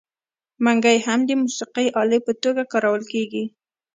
منګی هم د موسیقۍ الې په توګه کارول کیږي.